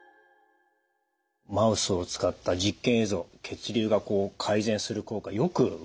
マウスを使った実験映像血流がこう改善する効果よく分かりました。